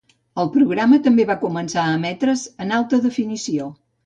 El programa també va començar a emetre's en alta definició.